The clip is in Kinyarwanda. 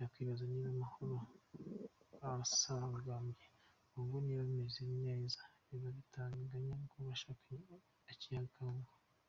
Yakwibaza niba amahoro asagambye, mu ngo niba bimeze neza, niba ntagatanya mu bashakanye ikiharangwa.